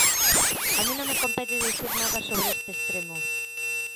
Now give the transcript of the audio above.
A min non me compete dicir nada sobre este extremo.